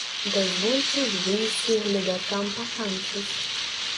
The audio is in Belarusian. Дазвольце ж выйсці гледачам патанчыць!